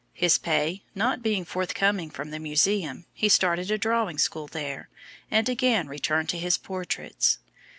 His pay not being forthcoming from the museum, he started a drawing school there, and again returned to his portraits.